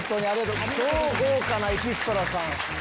超豪華なエキストラさん。